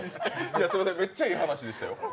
めっちゃ、いい話でしたよ？